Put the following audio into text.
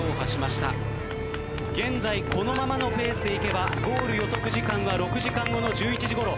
現在このままのペースでいけばゴール予測時間は６時間後の１１時ごろ。